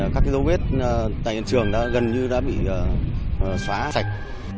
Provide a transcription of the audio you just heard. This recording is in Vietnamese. cái lô vết tại hiện trường gần như đã bị xóa sạch